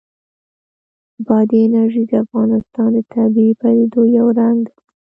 بادي انرژي د افغانستان د طبیعي پدیدو یو رنګ دی.